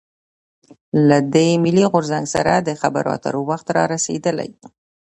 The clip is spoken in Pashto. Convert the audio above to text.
له دې «ملي غورځنګ» سره د خبرواترو وخت رارسېدلی.